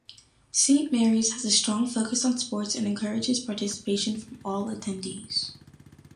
Saint Mary's has a strong focus on sports and encourages participation from all attendees.